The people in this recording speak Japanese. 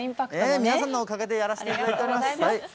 皆さんのおかげでやらせていただいております。